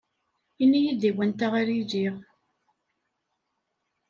Ini-yi-d i wanta ara iliɣ